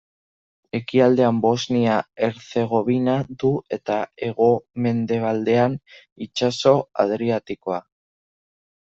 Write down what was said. Ekialdean Bosnia-Herzegovina du eta hegomendebaldean itsaso Adriatikoa.